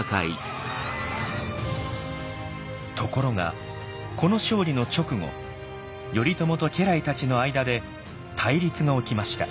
ところがこの勝利の直後頼朝と家来たちの間で対立が起きました。